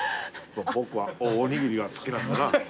ぼ僕はおおにぎりが好きなんだな。